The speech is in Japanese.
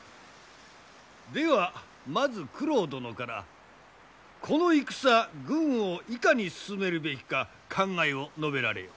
ではまず九郎殿からこの戦軍をいかに進めるべきか考えを述べられよ。